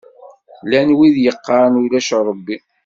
Llan wid yeqqaṛen ulac Ṛebbi.